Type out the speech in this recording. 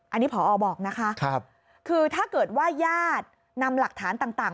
อันนี้พอบอกนะคะคือถ้าเกิดว่าญาตินำหลักฐานต่าง